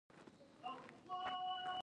دا اصلاً یوازې عقیدت وي.